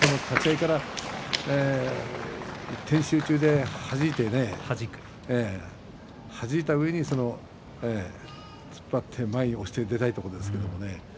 貴景勝は立ち合いから一点集中ではじいた上に突っ張って前に押したいところですね。